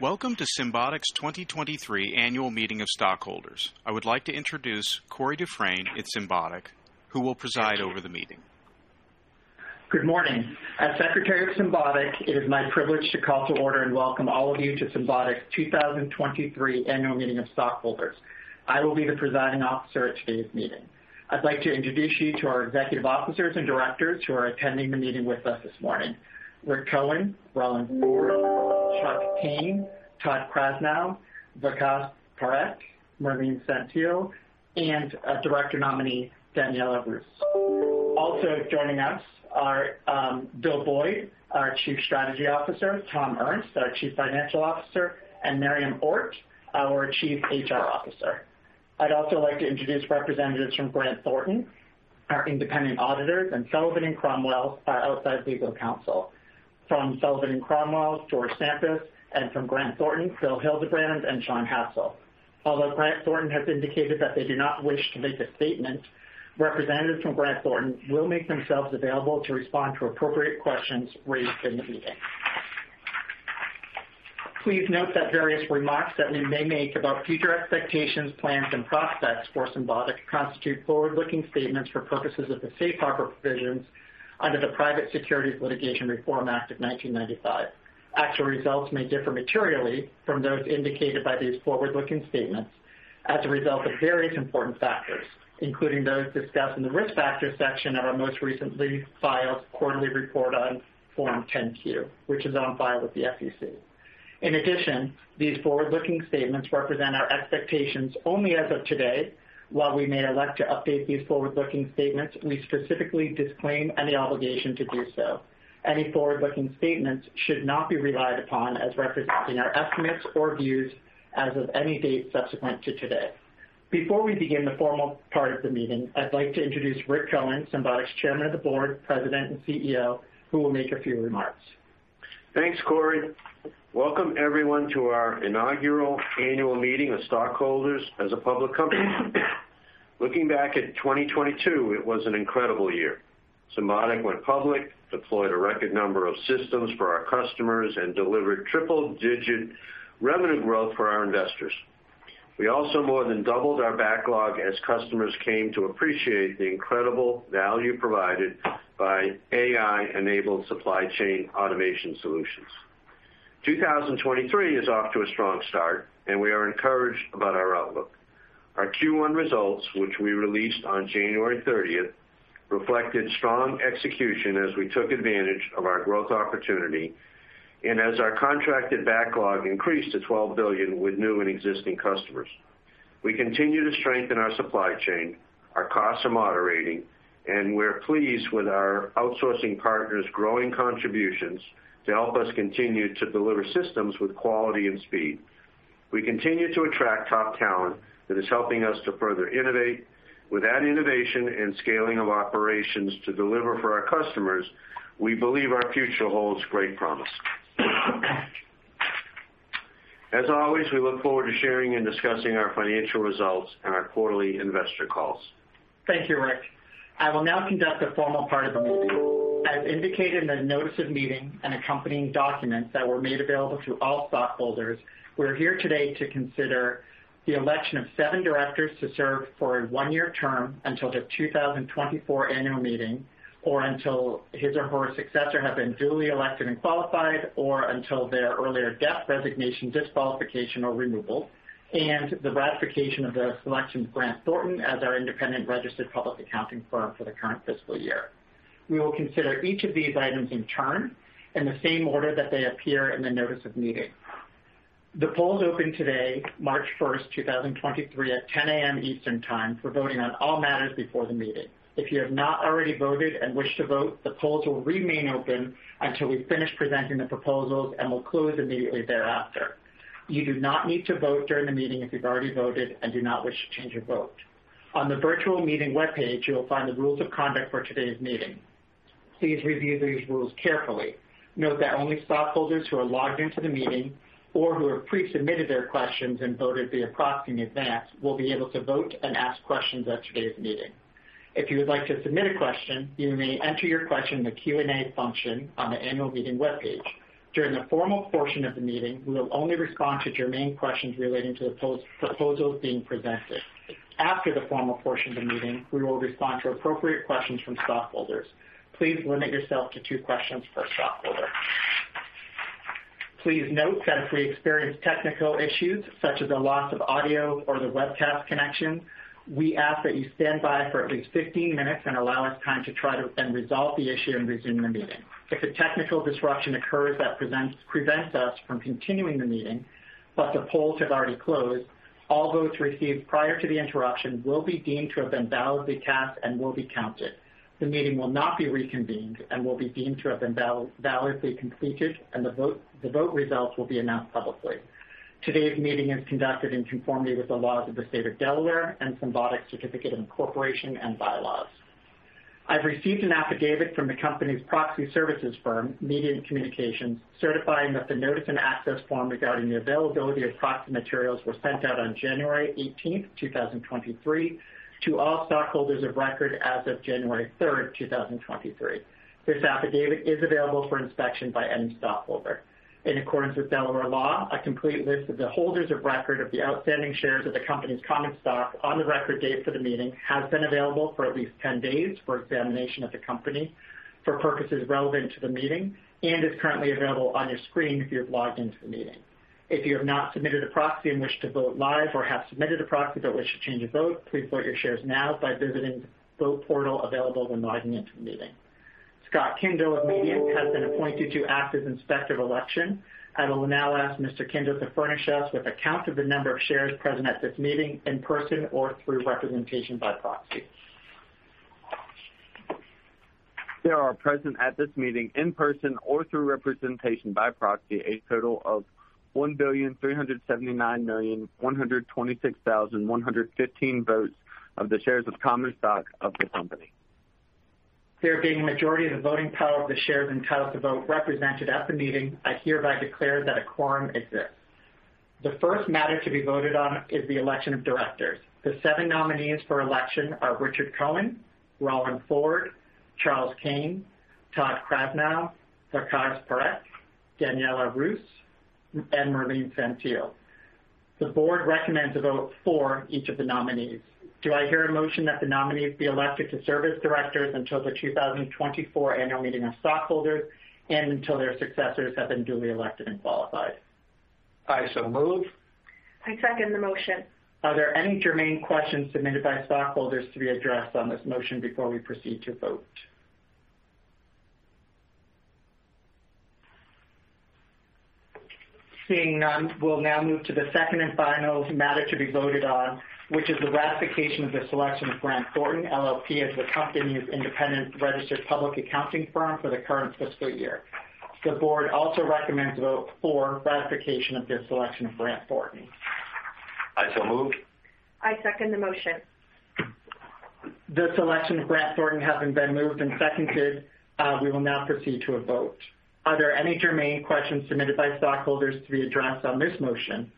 Welcome to Symbotic's 2023 Annual Meeting of Stockholders. I would like to introduce Corey Dufresne at Symbotic, who will preside over the meeting. Good morning. As Secretary of Symbotic, it is my privilege to call to order and welcome all of you to Symbotic's 2023 Annual Meeting of Stockholders. I will be the Presiding Officer at today's meeting. I'd like to introduce you to our Executive Officers and Directors who are attending the meeting with us this morning: Rick Cohen, Rollin Ford, Charles Kane, Todd Krasnow, Vikas Parekh, Merline Saintil, and Director Nominee Daniela Rus. Also joining us are Bill Boyd, our Chief Strategy Officer; Tom Ernst, our Chief Financial Officer; and Miriam Ort, our Chief HR Officer. I'd also like to introduce representatives from Grant Thornton, our independent auditors, and Sullivan & Cromwell outside legal counsel. From Sullivan & Cromwell, George Sampas, and from Grant Thornton, Bill Hildebrand and Sean Hassell. Although Grant Thornton has indicated that they do not wish to make a statement, representatives from Grant Thornton will make themselves available to respond to appropriate questions raised in the meeting. Please note that various remarks that we may make about future expectations, plans, and prospects for Symbotic constitute forward-looking statements for purposes of the safe harbor provisions under the Private Securities Litigation Reform Act of 1995. Actual results may differ materially from those indicated by these forward-looking statements as a result of various important factors, including those discussed in the risk factors section of our most recently filed quarterly report on Form 10-Q, which is on file with the SEC. In addition, these forward-looking statements represent our expectations only as of today. While we may elect to update these forward-looking statements, we specifically disclaim any obligation to do so. Any forward-looking statements should not be relied upon as representing our estimates or views as of any date subsequent to today. Before we begin the formal part of the meeting, I'd like to introduce Rick Cohen, Symbotic's Chairman of the Board, President, and CEO, who will make a few remarks. Thanks, Corey. Welcome, everyone, to our inaugural Annual Meeting of Stockholders as a public company. Looking back at 2022, it was an incredible year. Symbotic went public, deployed a record number of systems for our customers, and delivered triple-digit revenue growth for our investors. We also more than doubled our backlog as customers came to appreciate the incredible value provided by AI-enabled supply chain automation solutions. 2023 is off to a strong start, and we are encouraged about our outlook. Our Q1 results, which we released on January 30th, reflected strong execution as we took advantage of our growth opportunity and as our contracted backlog increased to $12 billion with new and existing customers. We continue to strengthen our supply chain, our costs are moderating, and we're pleased with our outsourcing partners' growing contributions to help us continue to deliver systems with quality and speed. We continue to attract top talent that is helping us to further innovate. With that innovation and scaling of operations to deliver for our customers, we believe our future holds great promise. As always, we look forward to sharing and discussing our financial results and our quarterly investor calls. Thank you, Rick. I will now conduct the formal part of the meeting. As indicated in the notice of meeting and accompanying documents that were made available to all stockholders, we are here today to consider the election of seven directors to serve for a one-year term until the 2024 annual meeting or until his or her successor has been duly elected and qualified or until their earlier death, resignation, disqualification, or removal, and the ratification of the selection of Grant Thornton as our independent registered public accounting firm for the current fiscal year. We will consider each of these items in turn in the same order that they appear in the notice of meeting. The polls open today, March 1st, 2023, at 10:00 A.M. Eastern Time for voting on all matters before the meeting. If you have not already voted and wish to vote, the polls will remain open until we finish presenting the proposals and will close immediately thereafter. You do not need to vote during the meeting if you've already voted and do not wish to change your vote. On the virtual meeting webpage, you'll find the rules of conduct for today's meeting. Please review these rules carefully. Note that only stockholders who are logged into the meeting or who have pre-submitted their questions and voted appropriately in advance will be able to vote and ask questions at today's meeting. If you would like to submit a question, you may enter your question in the Q&A function on the Annual Meeting webpage. During the formal portion of the meeting, we will only respond to your main questions relating to the proposals being presented. After the formal portion of the meeting, we will respond to appropriate questions from stockholders. Please limit yourself to two questions per stockholder. Please note that if we experience technical issues such as a loss of audio or the webcast connection, we ask that you stand by for at least 15 minutes and allow us time to try to then resolve the issue and resume the meeting. If a technical disruption occurs that prevents us from continuing the meeting but the polls have already closed, all votes received prior to the interruption will be deemed to have been validly cast and will be counted. The meeting will not be reconvened and will be deemed to have been validly completed, and the vote results will be announced publicly. Today's meeting is conducted in conformity with the laws of the State of Delaware and Symbotic's Certificate of Incorporation and bylaws. I've received an affidavit from the company's proxy services firm, Mediant Communications, certifying that the notice and access form regarding the availability of proxy materials was sent out on January 18th, 2023, to all stockholders of record as of January 3rd, 2023. This affidavit is available for inspection by any stockholder. In accordance with Delaware law, a complete list of the holders of record of the outstanding shares of the company's common stock on the record date for the meeting has been available for at least 10 days for examination at the company for purposes relevant to the meeting and is currently available on your screen if you've logged into the meeting. If you have not submitted a proxy and wish to vote live or have submitted a proxy but wish to change your vote, please vote your shares now by visiting the vote portal available when logging into the meeting. Scott Kindle of Mediant has been appointed to act as Inspector of Election. I will now ask Mr. Kindle to furnish us with a count of the number of shares present at this meeting in person or through representation by proxy. There are present at this meeting in person or through representation by proxy a total of 1,379,126,115 votes of the shares of common stock of the company. There being a majority of the voting power of the shares entitled to vote represented at the meeting, I hereby declare that a quorum exists. The first matter to be voted on is the election of directors. The seven nominees for election are Richard Cohen, Rollin Ford, Charles Kane, Todd Krasnow, Vikas Parekh, Daniela Rus, and Merline Saintil. The board recommends a vote for each of the nominees. Do I hear a motion that the nominees be elected to serve as directors until the 2024 Annual Meeting of Stockholders and until their successors have been duly elected and qualified? I so move. I second the motion. Are there any germane questions submitted by stockholders to be addressed on this motion before we proceed to vote? Seeing none, we'll now move to the second and final matter to be voted on, which is the ratification of the selection of Grant Thornton LLP as the company's independent registered public accounting firm for the current fiscal year. The board also recommends a vote for ratification of the selection of Grant Thornton. I so move. I second the motion. The selection of Grant Thornton has been moved and seconded. We will now proceed to a vote. Are there any germane questions submitted by stockholders to be addressed on this motion?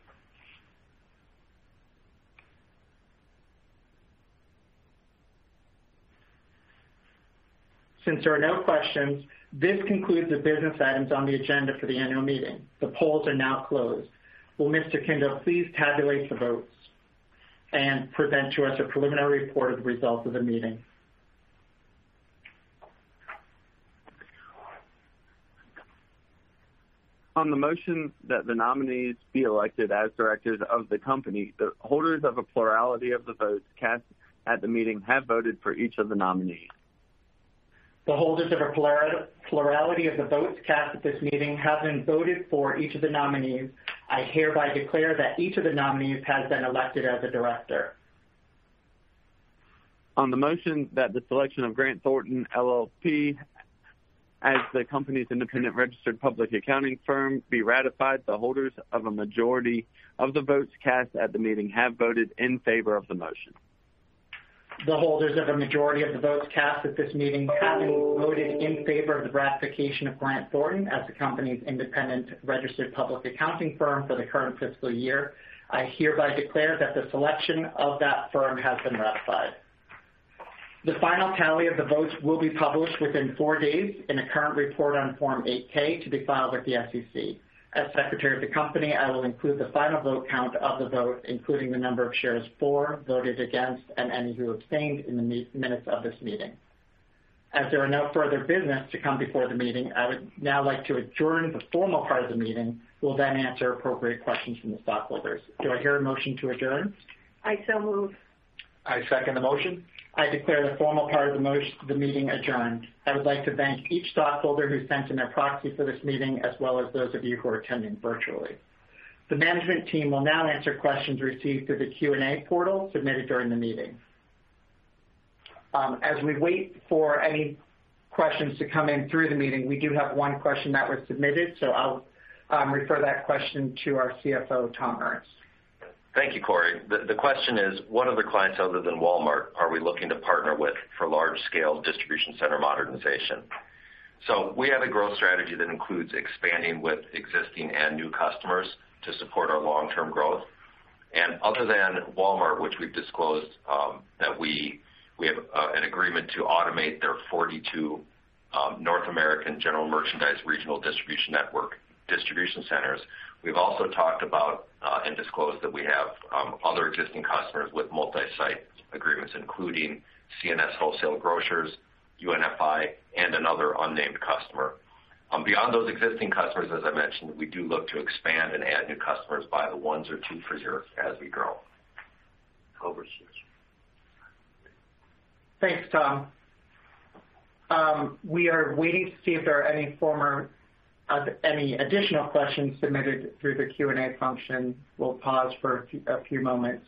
Since there are no questions, this concludes the business items on the agenda for the Annual Meeting. The polls are now closed. Will Mr. Kindle please tabulate the votes and present to us a preliminary report of the results of the meeting? On the motion that the nominees be elected as directors of the company, the holders of a plurality of the votes cast at the meeting have voted for each of the nominees. The holders of a plurality of the votes cast at this meeting have been voted for each of the nominees. I hereby declare that each of the nominees has been elected as a director. On the motion that the selection of Grant Thornton LLP as the company's independent registered public accounting firm be ratified, the holders of a majority of the votes cast at the meeting have voted in favor of the motion. The holders of a majority of the votes cast at this meeting have been voted in favor of the ratification of Grant Thornton as the company's independent registered public accounting firm for the current fiscal year. I hereby declare that the selection of that firm has been ratified. The final tally of the votes will be published within four days in a current report on Form 8-K to be filed with the SEC. As Secretary of the Company, I will include the final vote count of the vote, including the number of shares for, voted against, and any who abstained in the minutes of this meeting. As there are no further business to come before the meeting, I would now like to adjourn the formal part of the meeting. We'll then answer appropriate questions from the stockholders. Do I hear a motion to adjourn? I so move. I second the motion. I declare the formal part of the meeting adjourned. I would like to thank each stockholder who sent in their proxy for this meeting, as well as those of you who are attending virtually. The management team will now answer questions received through the Q&A portal submitted during the meeting. As we wait for any questions to come in through the meeting, we do have one question that was submitted, so I'll refer that question to our CFO, Tom Ernst. Thank you, Corey. The question is, what other clients other than Walmart are we looking to partner with for large-scale distribution center modernization? So we have a growth strategy that includes expanding with existing and new customers to support our long-term growth. And other than Walmart, which we've disclosed that we have an agreement to automate their 42 North American General Merchandise Regional Distribution Network distribution centers, we've also talked about and disclosed that we have other existing customers with multi-site agreements, including C&S Wholesale Grocers, UNFI, and another unnamed customer. Beyond those existing customers, as I mentioned, we do look to expand and add new customers by the ones or twos per year as we grow. Over to you. Thanks, Tom. We are waiting to see if there are any additional questions submitted through the Q&A function. We'll pause for a few moments.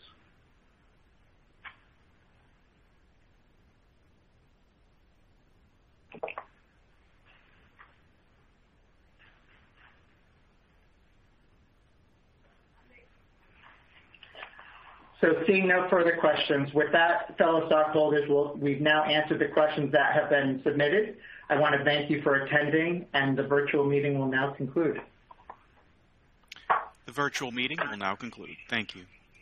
So seeing no further questions, with that, fellow stockholders, we've now answered the questions that have been submitted. I want to thank you for attending, and the virtual meeting will now conclude. The virtual meeting will now conclude. Thank you.